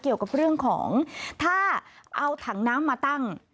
เกี่ยวกับเรื่องของถ้าเอาถังน้ำมาตั้ง